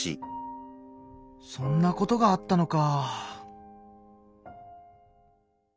そんなことがあったのか。